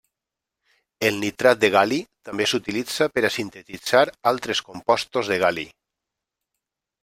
El nitrat de gal·li també s'utilitza per a sintetitzar altres compostos de gal·li.